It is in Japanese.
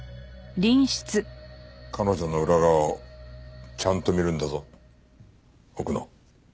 彼女の裏側をちゃんと見るんだぞ奥野。